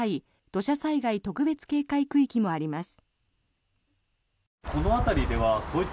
土砂災害特別警戒区域もあります。